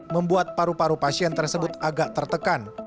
membuat paru paru pasien tersebut agak tertekan